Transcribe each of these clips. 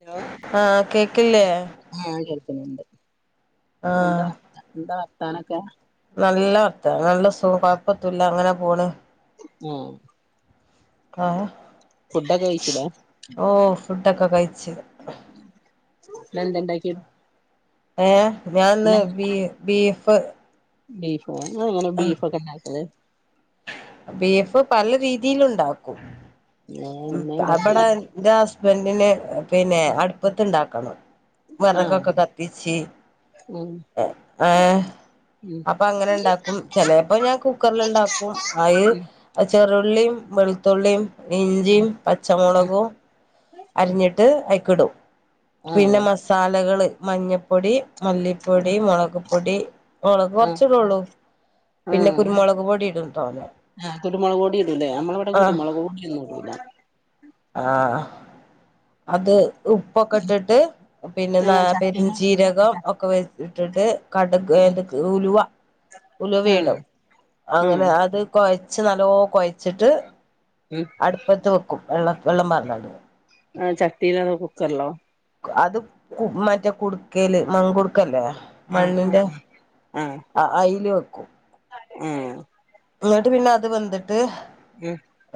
Hello ആ കേക്കില്ലേ ക്കുന്നുണ്ട് എന്താ ആഹ് ത്ത എന്താ കാണക്ക നല്ല വർത്ത നല്ല സുഖം കൊഴപ്പത്തൂല്ല അങ്ങനെ പോണ് ഉം ആഹ് ഫുഡൊക്കെ കഴിച്ചില്ലെ ഫുട്ടൊക്കെ കഴി ച്ചു ഇന്നെന്ത്ണ്ടാക്കി ഏ ഞാനിന്ന് ബി ബീഫ് [inaudible] [inaudible] നിങ്ങൾ എങ്ങനെ ബീഫ്ക്കെ ഉണ്ടാക്കല് ബീഫ് പല രീതിയിലുണ്ടാക്കും ഞാൻ ഇന്ന് അവിടെ ഇണ്ടാക്കിയെ ഇന്റെ ഹസ്ബൻഡ് ഹസ്ബൻഡിനെ പിന്നെ അടുപ്പത്തുണ്ടാക്കും കണ [unintelligible] വിറക്കൊക്കെ ആഹ് കത്തിച്ച് ഉം ഏ ഉം അപ്പൊ അങ്ങനെ ഉണ്ടാക്കും ചെലപ്പോ ഞാൻ കുക്കറൽ ഉണ്ടാക്കും ഉം അത് ചെറു ഉള്ളിയും വെളുത്തുള്ളിയും ഇഞ്ചിയും പച്ചമുളകും അരിഞ്ഞിട്ട് അതിലേക്ക് ഇടും പിന്നെ ആഹ് മസാലകള് മഞ്ഞപ്പൊടി മല്ലിപ്പൊടി മുളക് പൊടി മുളക് ആഹ് കുറച്ച ഇടുള്ളൂ പിന്നെ ആഹ് കുരുമുളക് പൊടി ഇടും തോനെ ആഹ് കുരുമുളക് പൊടി ഇടൂലേ നമ്മളിവിടെ ആഹ കുരുമുളക് പൊടിയൊന്നും ഇടൂല ആഹ് അത് ഉപ്പൊക്കെ ഇട്ടിട്ട് പിന്നെ ഏഹ് ചട്ടീല് പേരുംജീരകം ഒക്കെ ഇട്ടിട്ട് കടുക് ഏതൊക്കെ ഉലുവ ഉലുവ ആഹ് ഇടും അങ്ങനെ ആഹ് അത് കൊയ [unintelligible] നല്ലോം കൊഴച്ചിട്ട് ഉം അടുപ്പത്ത് വെക്കും വെള്ളം വെള്ളം പാർന്നാണ്ട് ആ ചട്ടിയിലോ അതോ കുക്കറിലോ അത് മറ്റേ കുടുക്കല് മങ്കുടുക്കല്ലേ ആഹ് മണ്ണിന്റെ അയിൽ വെക്കും ഉം ന്നട്ട് പിന്നെ അത് വന്നിട്ട്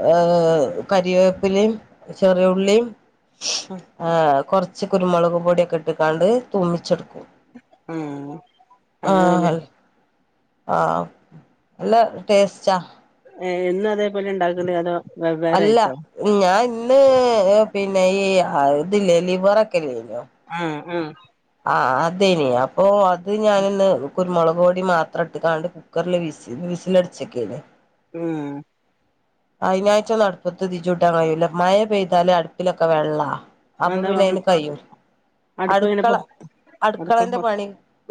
ആഏ [unintelligible] ഏ കറിവേപ്പിലയും ചെറിയുള്ളിയും ഉം ആഹ കുറച്ച് കുറച്ചു കുരുമളക് പൊടിഒക്കെ ഇട്ട്ക്കാണ്ട് തുമ്പിച്ചെടുക്കും ആ അങ്ങനെല്ലേ ആഹ് ആഹ് നല്ല ടേസ്റ്റാ എന്നും അതേപോലെ ഉണ്ടാക്കല് അതോ വെവ്വേറെ അല്ല ആയിട്ടോ ഞാൻ [unintelligible] പിന്നെ ഈ അതില്ലേ ലിവറക്കയില്ലെ ഉം ഉം ആ അതെനി അപ്പോ ഇത് ഞാനിന്ന് കുരുമൊളക്പൊടി മാത്രം ഇട്ട് കണ്ട് കുക്കറിൽ വിസി വിസിലടിച്ചേക്കേനി ഉം അയിനായ്ച അപ്പൊ അതെന്താ പിന്നെ അയിന് കൈയ്യൂല അടുപ്പ് എങ്ങനെ അടുക്കള പൊ അടുക്കള അടുക്കളന്റെ പൊ പണി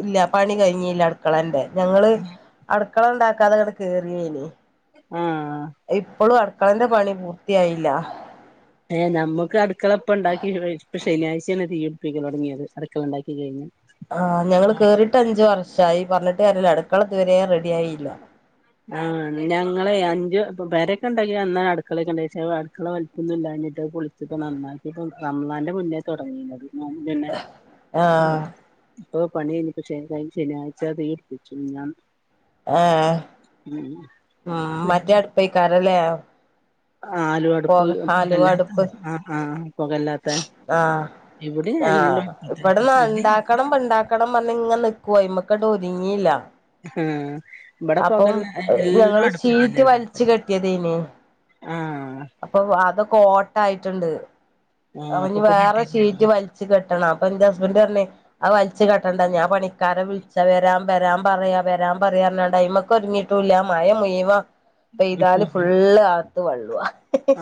ഇല്ല പണി കഴിഞ്ഞില്ല അടുക്കളന്റെ ഞങ്ങള് അ [unintelligible] അടുക്കളണ്ടാക്കാതെ ഇങ്ങട്ട്കേറേനി ആഹ് ഇപ്പോളും അടുക്കളന്റെ പണി പൂർത്തിയായി ഇല്ല ഏ നമുക്ക് അടുക്കളിപ്പണ്ടാക്കി വെ ഇപ്പ ശനിയാഴ് ചെയ്യാണ് തീ കത്തിക്കാൻ തുടങ്ങിയത് അടുക്കള ഉണ്ടാക്കിഴിഞ്ഞ് ആ ഞങ്ങള് കേറിട്ട് അഞ്ച് ആറ് [unintelligible] ശായി പറഞ്ഞിട്ട് കാര്യല്ല അടുക്കളിതു വരേം റെഡി ആയില്ല ആ ഞങ്ങളെ അഞ്ച് പെരേക്കെ ഉണ്ടാക്കി അന്ന അടുക്കളയൊക്കെ ഉണ്ട അടുക്കള വലിപ്പോന്നും ഇല്ലഞ്ഞിട്ട് പൊളിച്ചപ്പ നന്നാക്കിപ്പ കമളാന്റെ മുന്നേ തുടങ്ങിന്നത് [unintelligible] തന്നെ ആഹ് ഇപ്പൊ പണി കഴിഞ്ഞിട്ട് [unintelligible] ശനിയാഴ്ച തീരുപ്പിച്ചു ഞാൻ ആ ആ മറ്റ അടുപ്പേ [unintelligible] [unintelligible] ആലുവ അടുപ്പ് പോക ആലു പുകല്ലാത്ത അടുപ്പ് ആഹ് ആഹ് പുകല്ലാത്ത ആ ഇവിടിം ആ എല്ലും അടുപ്പത്തെ ഇപ്പടെ ന ആഹ് ഉണ്ടാക്കണം ഉണ്ടാക്കണം പറ ഇങ്ങെ നിക്കുവ കട്ടോരിങ്ങില്ല [unintelligible] അപ്പം പൊകല്ല എല്ലാം ഞങ്ങള് അടുപ്പി തന്നെ ഷീറ്റ് വലിച്ചു ഉണ്ടാക്കല് കെട്ടിയതാ അയിന് ആഹ് അപ്പൊ അതൊ കോട്ടായിട്ടുണ്ട് ആഹ് അപ്പൊ അവന് പൊക വേറെ ഷീറ്റ് കിട്ടിട്ടുണ്ടാവുലെ വലിച്ചു കെട്ടണം അപ്പൊ എൻ്റെ ഹസ്ബന്റ് പറഞ്ഞ് അത് വലിച്ചു കെട്ടണ്ട ഞാൻ പണി- കറ വിളിച്ച വരാം വരാൻ പറയാ വരാൻ പറയാനിടമ്മക്ക് ഒരുങ്ങിട്ടൂല്ല മയ മുഴിവം പെയ്താല് ഫുള്ള് അത് വള്ളുവ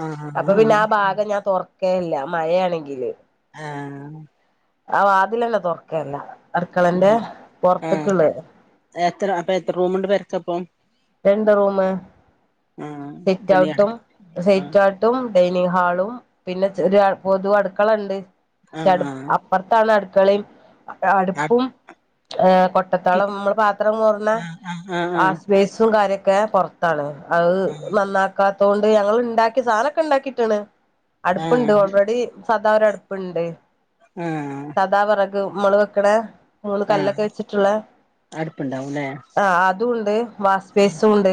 ആഹ് അപ്പൊ പിന്നെ ആഹ് ആ ഭാഗം ഞാൻ തുറ കേല്ല മഴയാണെങ്കില് ആ ആ വാതിലന്നെ തുറക്കെല്ല അടുക്കളന്റെ ആഹ് പൊറത്തൊക്ക് ആഹ് ഉള്ള എത്ര അപ്പൊ എത്ര റൂമണ്ട് പെരക്കപ്പം രണ്ട് റൂമ് ആഹ് പിന്നെ അടു സിറ്റ്ഔട്ടും ആഹ് സിറ്റ്ഔട്ടും ഡൈനിങ് ഹാളും പിന്നെ ഒരു പൊതു അടുക്കളയിണ്ട് പക്ഷെ ആഹ് അ അപ്പുറത്താണ് അടു ക്കളീം ആഹ് അടുപ്പും ആ കൊട്ടത്തോളം നമ്മള് പാത്രം ആഹ് ആഹ് ആഹ് [unintelligible] [inaudible] കാരൊക്കെ പൊറത്താണ് അത് നന്നാക്കാ അതുകൊണ്ട് ഞങ്ങൾ ഇണ്ടാക്കി സാധനമൊക്കെ ഉണ്ടാക്കിയിട്ടാണ് ആഹ് അടുപ്പുണ്ട് ആഹ് ഓൾറെഡി സാദാ ഒരു അടുപ്പുണ്ട് ആ മ്മള [unintelligible] മൂന്ന് കല്ലൊക്കെ വെച്ചിട്ടുള്ള അടുപ്പുണ്ടാവുംല്ലേ ആ അതും ഉണ്ട് വാസ്പേസും ഉണ്ട്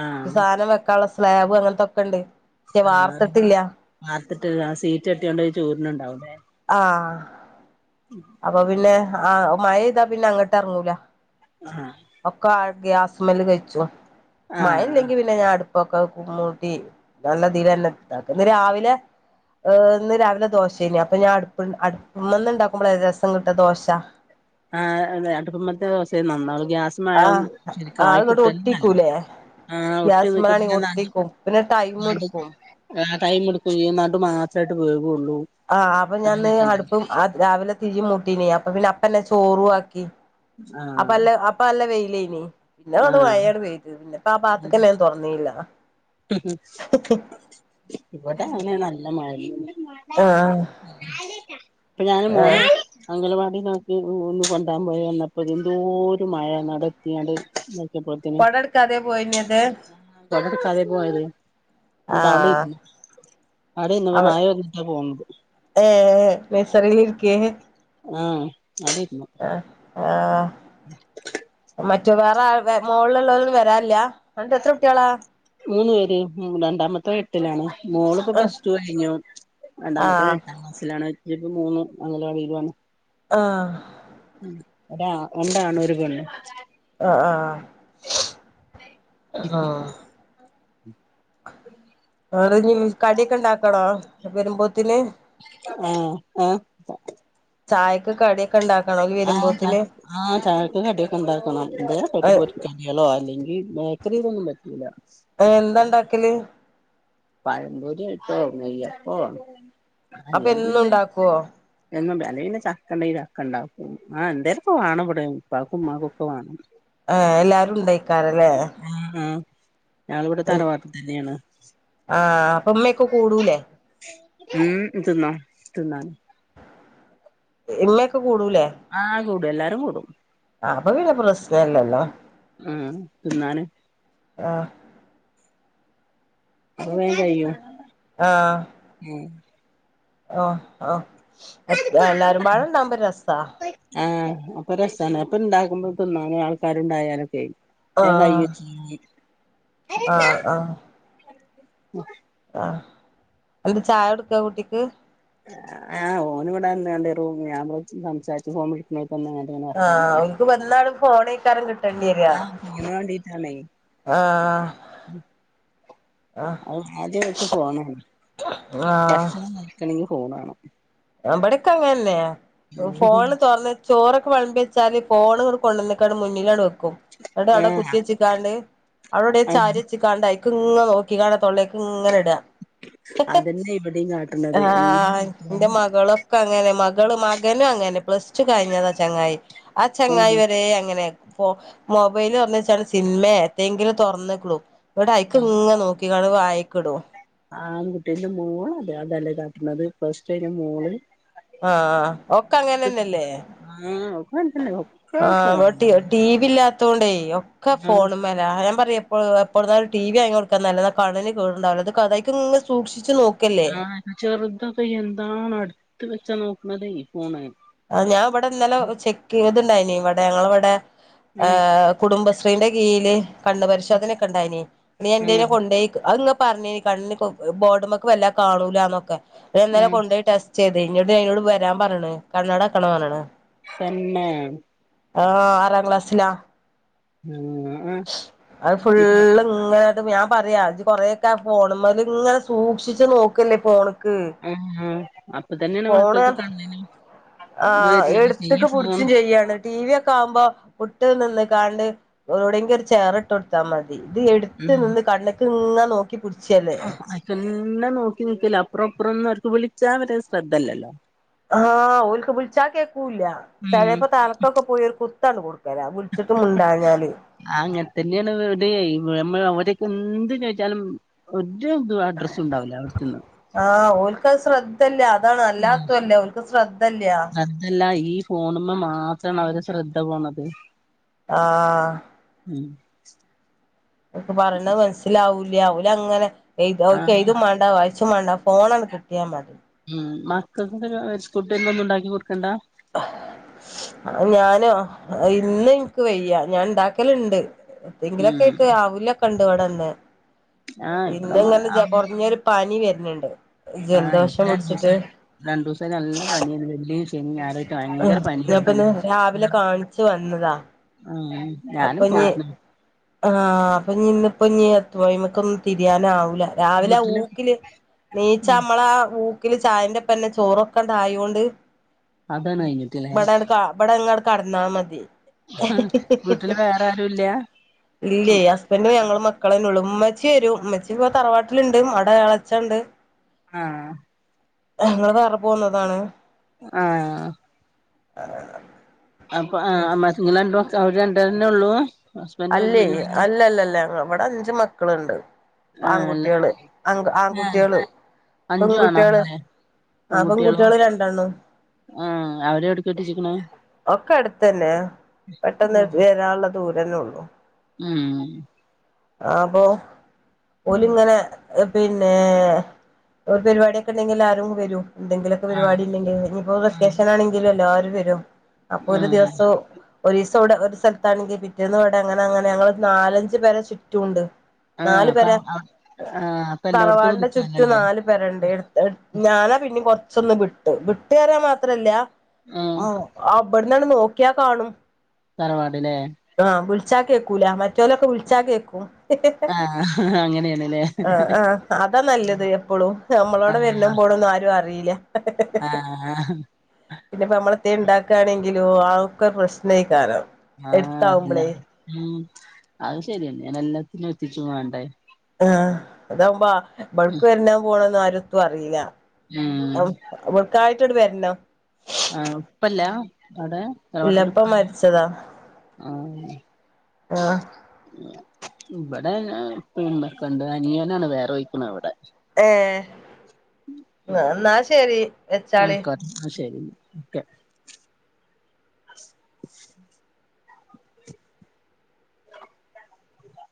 ആഹ് സാധനം വെക്കാനൊള്ള സ്ലാബ് അങ്ങനത്തൊക്കെ ഉണ്ട് പക്ഷെ വാർത്തിട്ടില്ല ഇട്ട് ആ സീറ്റ് കെട്ടിയൊണ്ട് ചോരന് ഉണ്ടാവും ലേ ആ അപ്പൊ പിന്നെ ആഹ മഴ പെയ്താ പിന്നെ അങ്ങോട്ട് ഇറങ്ങൂല ആ ഒക്കെ ആ ഗ്യാസ്മേല് കഴിച്ചു ആഹ് മയയില്ലെങ്കി പിന്നെ ഞാൻ അടു ഇപ്പൊക്കെ കുമ്മൂട്ടി നല്ലതിലന്നെ ഇ ഇന്ന് രാവിലെ ഇന്ന് രാവിലെ ദോശേനി അപ്പൊ ഞാൻ അടുപ്പ ഉമ്മനെ ഉണ്ടാക്കുമ്പോളാ ര [inaudible] കിട്ട ദോശ ആ അതെ [inaudible] തെ [unintelligible] ഗ്യാസ്മആയാൽ ആഹ് അത് ശരിക്കായി ഇങ്ങട്ട് കിട്ടേനെല്ല ഒട്ടിക്കൂലേ ആ ഒട്ടിനിൽക്കുമ്പോ ഗ്യാസ്മലാണെങ്കി ഞാൻ നടു ഒട്ടിക്കും പിന്നെ ടൈം എടുക്കും [unintelligible] ടൈം എടുക്കുംചെയ്യും നടു മാത്രമായിട്ട് വേവേ ആ് അപ്പൊ ഞാന്ന് ഇന്ന് അടുപ്പും രാവിലെ തിയ് മുട്ടീന് അപ്പ പിന്നെ അപ്പന്നെ ചോറുക്കി അപ്പ ആഹ് അല്ല അപ്പ അല്ല വെഴി ലനി പിന്നെ അഗണ്ട് ആഹ് മഴപെയ്ത് പിന്നെപ്പ ആ ഭാഗത്ക്കണേ തുറന്നീയില്ല [unintelligible] ഇവിടെ അങ്ങനെനെ നല്ല മഴ ആ ഇപ്പൊ ഞാൻ മോനെ അഗലവാടി ന കി ഒന്ന് കൊണ്ടാൻ പോയി വന്നപ്പോ എന്തോരു മഴന്നാ അവിടെ എത്തിക്കണ്ട് കോട എടുക്കാതെ പോയിനാത് കൊടട്ക്കാതെ പോയത് എന്നിട്ട് അവിടെ ഇരുന്നു അവിടെ ഇരുന്നപ്പോ അവ മഴ വന്നിട്ടാ പോന്നത് രിക്കെയ്ന് ആ അവിടെരുന്നു ആഹ് മറ്റു വേറെ മോളുയുള്ളത് വരാറില്ലേ, അന്നിട്ട് എത്ര കുട്ടികളാ. മൂന്ന് പേരെ രണ്ടാമത്തെവൻ എട്ടിലാണ്. മോളിപ്പോ ആഹ് പ്ലസ് ടു കഴിഞ്ഞു, രണ്ടാമത്തെവൻ ആഹ് എട്ടാം ക്ലാസ്സിലാണ്. ഇപ്പ മൂന്ന് അംഗനവാടിയിൽ ആണ്. ആ ഒര രണ്ടാണും ഒരു പെണ്ണും. ആഹ് ആഹ് ആഹ് ആഹ് വേറെ ഇനി കടിയൊക്കെ ഉണ്ടാക്കാണോ. വെരുമ്പോത്തിന് ഉം ഉം ചായക്ക് കടി ആഹ് ചാ ആഹ് ചായക്ക് കടിയൊക്കെ ഉണ്ടാക്കണം, എന്തേലും ഒക്കെ ഇട്ട് പൊരികടികളോ അല്ലെങ്കിൽ ബേക്ക ക്കറിനൊന്നും പറ്റയില്ല. എന്താ ഉണ്ടാക്കല് പഴം പൊരിയാട്ടോ നെയ്യപ്പവും. അപ്പം എന്നും ഉണ്ടാക്കുവോ എന്നും ഉണ്ടാക്കും അല്ലെങ്കിൽ പിന്നെ ചക്കയുണ്ടെങ്കിൽ ചക്കയുണ്ടാക്കും ആ എന്തേലും ഒക്കെ വേണം ഇവിടെ ഉപ്പാക്കും ഉമ്മാക്കും ഒക്കെ വേണം ആ എല്ലാരും ഉണ്ടായി ക്കാരല്ലേ ഞങ്ങൾ ഇവിടെ തറവാട്ടിൽ തന്നെയാണ് ആഹ് അപ്പൊ ഉമ്മയൊക്കെ കൂടൂലേ ഉം ഇത് തിന്നോ തിന്നാന് എന്നൊക്കെ ആ കൂടും എല്ലാരും കൂടും അ അപ്പൊ പിന്നെ പ്രശ്നല്ലല്ലോ ആ തിന്നാന് ആ അത് വേഗം കഴിയും ആ ഉം ആ ആ എല്ലാരും കൂടെ ഉണ്ടാവുമ്പോ രസവാ ആഹ് അപ്പൊ രസാണ് അപ്പൊ ഇണ്ടാക്കുമ്പോ തിന്നാനും ആൾക്കാരുണ്ടായാലൊക്കെയേ ആഹ് തേങ്ങായും ചീകി ആഹ് ആഹ് അ ഒരു ചായ എടുക്കാ കുട്ടിക്ക് ആഹ് ഓന് ഇവിടന്നാണ്ട് റൂമി അവൻ [unintelligible] സംസാരിച്ച് ഫോൺ വിളിക്കാ ആഹ് അവിൽക്ക് വന്നാളും പോണേക്കാരം ഇങ്ങ് ആഹ് ഫോണ് വേണ്ടീട്ടാണേ, ആഹ് ഉം ആദ്യം അവർക്ക് ഫോൺ വേണം, ഭക്ഷണം കഴിക്കണെങ്കി ഫോൺ വേണം ഇബ്ടൊക്കെ അങ്ങനെയല്ലേ, ഫോണ് തൊറന്ന് ചോറ് ക്ക് വെളമ്പി വെച്ചാല് ഫോണ് ഇങ്ങട് കൊണ്ടുന്നേക്കാണ് മുന്നിലാണ്ട് വെക്ക ക്കും അവിടവടെ ആഹ് കുത്തി വെച്ചിക്കാണ്ട് അവിടെടെ ആഹ് ചാരി വെച്ചിക്കാണ്ട് അയ്ക്ക് ഇങ്ങങ് നോക്കി കാണ്ട് തൊള്ളേക്ക് ഇങ്ങനെ ഇടാ. അതന്നെ ഇവിടെയും കാട്ടണത് [unintelligible] എന്റെ മകളൊക്കെ അങ്ങനെ മകള് മകനും അങ്ങനെ, പ്ലസ് ടു കഴിഞ്ഞതാ ചെങ്ങായി, ആ ചെങ്ങായി ആഹ് വെരേ അങ്ങനെയാ. [unintelligible] മൊബൈല് തൊറന്ന് വെച്ചാല് സിനിമേ ഏത്തെങ്കിലും തൊറന്ന്ക്കളൂ ഇവിടെ അയ്ക്ക് ഇങ്ങനെ നോക്കി [unintelligible] വായിക്കിടും ആ ആൺകുട്ടീന്റെ മോള് അതെ അതല്ലേ കാട്ടുന്നത് ഫസ്റ്റ് അന് മോള്- ആ ഒക്കെ എന്ത് അങ്ങനെന്നെല്ലേ ആഹ് ഒക്കെ അങ്ങൻതന്നെ ഒക്കെ ആ ഫോണിലാണ് ഡിവി വില്ലാത്ത തോണ്ടേ ഒക്കെ ആഹ് ഫോണും മേലാ ഞാൻ പറയാ- പ്പോ എപ്പോഴുന്നാലും ടി വി വാങ്ങ കൊക്കല്ല കണിന് കേറണ്ടാവ അത് കഥക്ക സൂക്ഷിച്ച- ആ ചെറുത് അത് എന്താന് എടുത്ത് വച്ചത് - നോട്ട മ [unintelligible] ഫോണായി ആ ഞാൻ ഇവിടെ ഇന്നല ചെക്ക്ത് ഇനി ഇവിടെ ഞങ്ങള ഇവിടെ- ആ ഉം കുടുംബ- ശ്രീന്റെ കീഴയില് കണ് പരിശോധനൊക്കെ ഉണ്ടായിന- നീ എൻന്റെ ഉം കൊണ്ടോയ്ക്ക അ- പറഞ്ഞി കണ് ബോർഡ്മക്ക് വല്ല കാണൂലന്നൊക്കെ ഞാനില ഉം കൊണ്ടൊയി ടെസ്റ്റ് ചെയ്ത് അത ഇഞ്ഞോട് അതിനോട് വരാൻ പറണ് കണ്ണട വയ്ക്കണോന്ന് പറയണ് തന്നെ ആ ആറാം ക്ലാസിലാ ആഹ് ആഹ് അത് ഇപ്പ ഫുള്ള് ഇങ്ങനെ ട്ട് ഞാൻ പറയാം ഇത് കൊറെയൊക്കെ ഫോണുമേലിങ്ങനെ സൂക്ഷിച്ചച്ച് നോക്കുന്നു ഇപ്പ ഓള് ആ അ ഫോണ് ആ ഇത് വരുന്നത് ഈ എടുത്തക്കെ ഫോൺ പിടിച്ചും ചെയ്യാണ് ടി വി യൊക്കെ ആവുമ്പോ കുട്ടി നിന്ന് നിക്കാണ്ട് എവിടെങ്കി ഒരു ചേയറിട്ട് കൊടുത്താ മതി ഇത് എടുത്ത് നിന്ന് കണ്ണക്ക് ഇങ്ങനെ നോക്കി പിടിച്ചല്ലേ ആ അക്കന്നെ നോക്കി നക്കല്ലെ അപ്പറോം ഇപ്പറൊന്നും അവർക്ക് വിളിച്ചാ വരെ ശ്രദ്ധയില്ലല്ലോ ആ ഓർക്ക് വിളിച്ച കേ ക്കുല്ല ഉം ചെലപ്പോ തലക്കൊക്കെ പോയി ഒരു കു ത്തണു കൊടു കെരാ വിളിച്ചിട്ടും മുണ്ടാഞ്ഞാല് ഇവടെ നമ്മള് അവരൊക്കെ എന്ത് ചോദിച്ചാലും ഒ രൂ ഇത് അഡ്രസുണ്ടാവില്ല അവിടത്തന്ന് ക്കത് ശ്രദ്ധ ദ്ധല്ല അതാണ് അല്ലാത്തല്ലേ അവർക്ക് ശ്രദ്ധല്ല ശ്രദ്ധല്ല ഈ ഫോണമ്മ മാത്രമാണ് അവരുടെ ശ്രദ്ധ പോണത് ആ ഉം ല്ല അവുലങ്ങനെ ഏ ത് ആ അവർക്ക് ഏതും മേണ്ടാ വായി ശും മേണ്ട ആ ഫോണങ്ങട് കിട്ടിയാ മതി മക്കൾക്കെന്തൊരു സ്കുട്ടി [unintelligible] ഒന്നും ഉണ്ടാക്കി കൊടുക്കണ്ടാ ഞാനോ ഇന്ന് എന്ക്ക് വയ്യ ഞാൻ ഇണ്ടാക്കലുണ്ട് ഉം എന്തെങ്കിലൊക്കെയിട്ട് അവലൊക്ക ട്ട് ഇവിട്ണ്ട് ആ ഇവിടെ ഇന്ന് ഇങ്ങനെ ജ കുറഞ്ഞൊരു പനിവര് ന്നുണ്ട് ആ എനിക്ക് രണ്ടൂസായി രണ്ടൂസായി നല്ല പണിയുണ്ട് [unintelligible] പിന്നെ [unintelligible] ആഹ് ഞാപ്പിന്നെ രാവിലെ കാണിച്ചു വന്നതാ. ഉം അപ്പൊ ഞാനും ഇഞ്ഞ് പോയിരുന്നു. ആഹ് അപ്പൊ ഇഞി ഇന്ന് ഇപ്പോ ഇഞി നീ എത്ത്മക്ക ഒന്നും തിരിയാന ആവൂല. രാവിലെ വീട്ടില് ഊക്കില് നീച്ച നമ്മള [unintelligible] ചായൻന്റപ്പന്നെ ചോറൊക്കെ ഉണ്ടായൊണ്ട്. അതാണ് കഴിഞ്ഞിട്ടില്ലേ വട എടുക്കാ [unintelligible] കടന്നാ മതി. ഹ ഇല്ലേ ഹസ്ബൻഡും ഞങ്ങളും മക്കളെ ള്ളു ഉമ്മച്ചി വരും ഉമ്മച്ചി ഇപ്പോ തറവാട്ടിലുണ്ട് അവിടെ ഇളച്ചണ്ട്. ആഹ്. നിങ്ങള് വേറെ പോന്നതാണ്? ആഹ്. അപ്പൊ ആഹ് [unintelligible] [unintelligible] അവര് രണ്ട് പേരന്നെ ഉള്ളൂ ഹസ്ബൻഡും അല്ലേ അനിയനും നിങ്ങളും അല്ലല്ല അല്ല അവിടെ അഞ്ചു മക്കളുണ്ട്. ആഹ് അല്ല ആൺകുട്ടികള് ആങ്ക് ആഹ് ആൺകുട്ടികള് അഞ്ചു ആണ് പെൺകുട്ടികള് ആണല്ലേ ആ പെൺകുട്ടികളോ പെൺകുട്ടികള് രണ്ടെണ്ണം ആഹ് അവരെ കെട്ടിച്ചിക്കണ്? ഒക്കെ അടുത്തന്നെ പെട്ടെന്ന് വരാള്ളതും ദൂരന്നേ ഉള്ളൂ മ്ഹ് ആഹ് അപ്പൊ ഓല് ഇങ്ങനെ പിന്നെ ഒരു പരിപാടിയെക്കെ ഉണ്ടെങ്കിൽ എല്ലാരും വരും എന്തെങ്കിലൊക്കെ ആഹ് പരിപാടി ഇല്ലെങ്കിൽ ഇനിപ്പോ ആഹ് വൊക്കേഷൻ ആണെങ്കിലും എല്ലാരും [unintelligible] അപ്പൊ ഒരു ആഹ് ദിവസം ഒരീസ്‌ [unintelligible] ഒരു സ്ഥലത്താണെങ്കിൽ പിറ്റേന്ന് ഇവിടെ അങ്ങനെ അങ്ങനെ ഞങ്ങള് നാലഞ്ച് പേര ചു [unintelligible] ആഹ് നാലു അപ്പ പെര ആഹ് അപ്പൊ എല്ലായിടത്തും തറവാടിന്റെ ചുറ്റും വിളിച്ചാലല്ലേ നാലു പെരണ്ട് എട് ത്തട് ഞാനാ പിന്നും കൊറ [unintelligible] വിട്ട്, വിട്ട് കരം മാത്രല്ല ആഹ് ആ [unintelligible] [unintelligible] നോക്കിയാ കാണും. തറവാട് ഇല്ലേ ൾച്ചാ കേക്കൂലാ മറ്റോലൊക്കെ വിള്ച്ചാ കേക്കും ആഹ് അങ്ങനെയാണല്ലേ ആ ആ അതാ നല്ലത് എപ്പളും നമ്മളവ്ടെ വര്നോം പോണോം ഒന്നും ആരും അറീ ല്ല ആ ഹ പിന്നെ പ്പം നമ്മള് എത്തേ ണ്ടാക്കണെങ്കിലോ അ ഒക്കെ പ്രശ്നയ് കാരം ആ [unintelligible] അഹ് ശരിയന്നെണ് എല്ലത്തിനും എത്തിച്ചു വേണ്ടേ ആ അത ഉമ്പ ആ ബട്ക്ക് വര്ണോ പോണോ ന്നു ആരും ത്തു അറീല്ല ഉം അം വട്കായ് ത്ത് അട് വര്ണ ആഉപ്പല്ലാ അവിടെ ഇല്ലപ്പ തറവാട്ടിലുപ്പ ല്ലാ? മരിച്ചതാ ആ ആഹ് ഇവടെ അ ഇപ്പീ ഇമ്മക്കെണ്ട്. അനിയനാണ് വേറോയിക്ക്ണവടെ ഏ എ ന്നാ ശരി ആ വെച്ചാളി അയ്ക്കോട്ടെ ന്നാ ശരി ക്കെ ഇല്ലാ